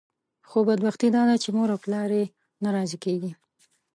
خو بدبختي داده چې مور او پلار یې نه راضي کېږي.